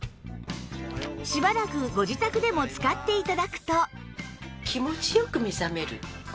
しばらくご自宅でも使って頂くと